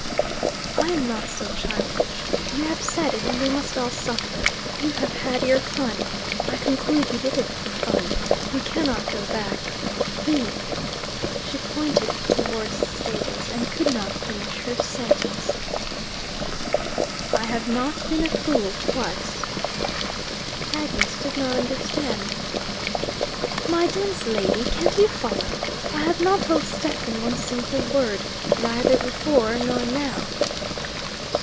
"I am not so childish. You have said it, and we must all suffer. You have had your fun: I conclude you did it for fun. You cannot go back. He " She pointed towards the stables, and could not finish her sentence. "I have not been a fool twice." Agnes did not understand. "My dense lady, can't you follow? I have not told Stephen one single word, neither before nor now."